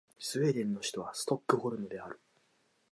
スウェーデンの首都はストックホルムである